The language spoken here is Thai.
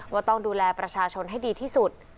ว่าต้องดูแลประชาชนให้ดีที่สุด